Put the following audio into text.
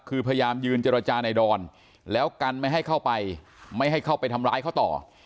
คือพยายามยืนเจรจาในดอนแล้วกันไม่ให้เข้าไปไม่ให้เข้าไปทำร้ายเขาต่อ